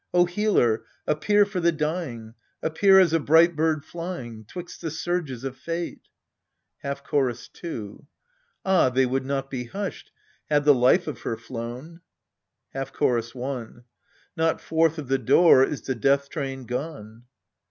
O Healer, appear for the dying, appear as a bright bird flying 'Twixt the surges of fate ! Half Chorus 2, Ah, they would not be hushed, had the life of her flown ! Half Chorus i. Not forth of the door is the death train gone.